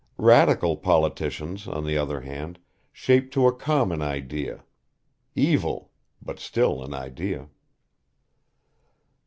Radical Politicians on the other hand, shape to a common idea evil but still an idea.